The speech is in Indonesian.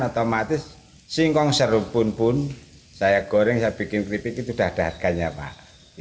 otomatis singkong serupun pun saya goreng saya bikin keripik itu sudah ada harganya pak